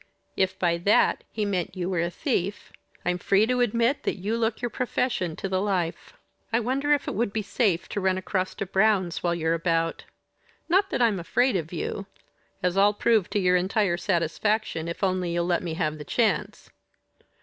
If, by that, he meant you were a thief, I'm free to admit you look your profession to the life. I wonder if it would be safe to run across to Brown's while you're about; not that I'm afraid of you, as I'll prove to your entire satisfaction if you only let me have the chance.